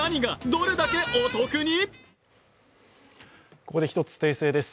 ここで一つ訂正です。